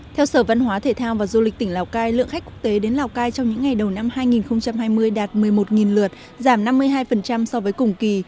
theo sở văn hóa thể thao và du lịch tỉnh lào cai lượng khách quốc tế đến lào cai trong những ngày đầu năm hai nghìn hai mươi đạt một mươi một lượt giảm năm mươi hai so với cùng kỳ